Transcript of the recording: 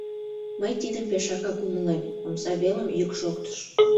— Мый тидым пешакак умылем! — омса велым йӱк шоктыш.